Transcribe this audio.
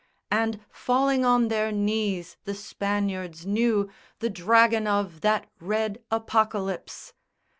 And, falling on their knees, the Spaniards knew The Dragon of that red Apocalypse.